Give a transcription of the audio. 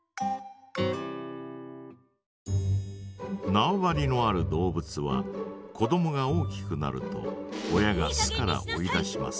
なわ張りのある動物は子どもが大きくなると親が巣から追い出します。